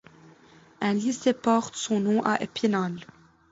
Un lycée porte son nom à Épinal.